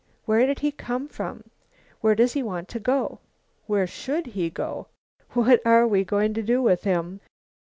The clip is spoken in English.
Where did he come from? Where does he want to go? Where should he go? What are we going to do with him?"